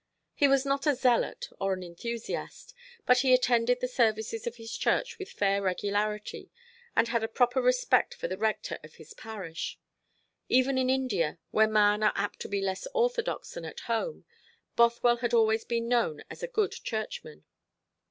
He was not a zealot, or an enthusiast; but he attended the services of his church with a fair regularity, and had a proper respect for the rector of his parish. Even in India, where men are apt to be less orthodox than at home, Bothwell had always been known as a good Churchman.